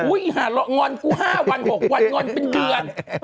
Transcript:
อุ้ยอย่างนอนกู๕วัน๖วันอย่างนอนเป็นเดือน